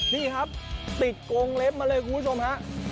นี่ครับติดโกงเล็บมาเลยคุณผู้ชมฮะ